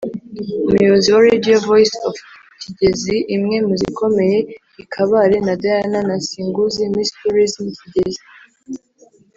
Umuyobozi wa Radio Voice of Kigezi imwe mu zikomeye i Kabale na Diana Nasinguza Miss Tourism – Kigezi